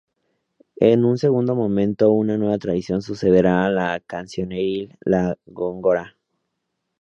En un segundo momento, una nueva tradición sucederá a la cancioneril: la de Góngora.